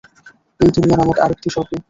এই দুনিয়া নামক আরেকটি স্বর্গে!